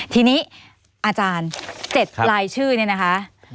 ทีนี้อาจารย์๗รายชื่อเนี่ยนะคะ